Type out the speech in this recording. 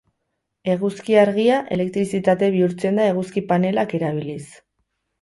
Eguzki argia, elektrizitate bihurtzen da eguzki panelak erabiliz.